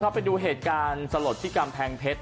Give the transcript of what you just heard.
ในการที่ไปดูเหตุการณ์สลดที่กำแพงเพชร